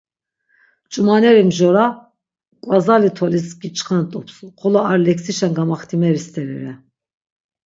Ç̌umaneri mjora k̆vazali tolis giçxant̆ups, xolo ar leksişen gamaxtimeri steri re.